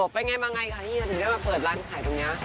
ไปไงค่ะเฮียมันถึงได้โอกาสเปิดร้านขายตรงนี้